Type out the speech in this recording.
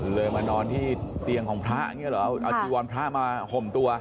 เลยมานอนที่เตียงของพระอย่างนี้เหรอเอาจีวรพระมาห่มตัว